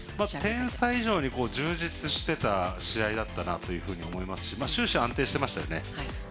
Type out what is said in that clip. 点差以上に充実してた試合だったなと思いますし終始、安定していましたよね。